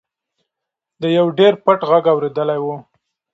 ده یو ډېر پټ غږ اورېدلی و.